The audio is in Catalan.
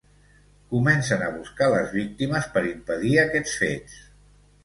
Comencen a buscar les víctimes per impedir aquests fets.